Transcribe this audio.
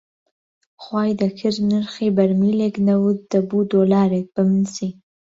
خوای دەکرد نرخی بەرمیلێک نەوت دەبووە دۆلارێک، بەمن چی